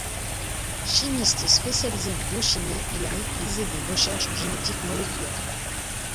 Chimiste spécialisé en biochimie, il a réalisé des recherches en génétique moléculaire.